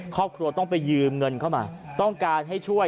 ครอบครัวต้องไปยืมเงินเข้ามาต้องการให้ช่วย